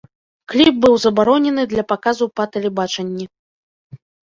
Кліп быў забаронены для паказу па тэлебачанні.